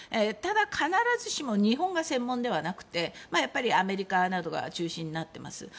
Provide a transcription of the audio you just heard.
ただ、必ずしも日本が専門ではなくアメリカなどが中心となっています。